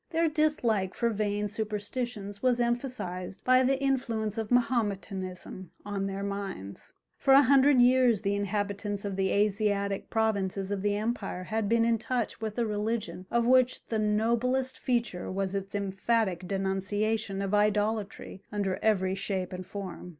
Their dislike for vain superstitions was emphasized by the influence of Mahometanism on their minds. For a hundred years the inhabitants of the Asiatic provinces of the empire had been in touch with a religion of which the noblest feature was its emphatic denunciation of idolatry under every shape and form.